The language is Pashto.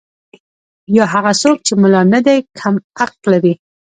یا هغه څوک چې ملا نه دی کم حق لري.